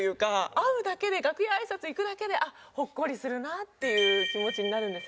会うだけで楽屋あいさつ行くだけでほっこりするなっていう気持ちになるんですよね。